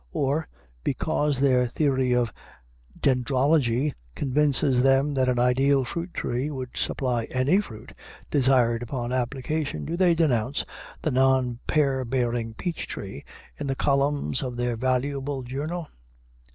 Or, because their theory of dendrology convinces them that an ideal fruit tree would supply any fruit desired upon application, do they denounce the non pear bearing peach tree in the columns of their valuable journal?